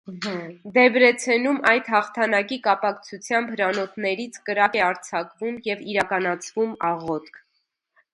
Դեբրեցենում այդ հաղթանակի կապակցությամբ հրանոթներից կրակ է արձակվում և իրականացվում աղոթք։